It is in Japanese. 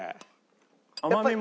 甘みも。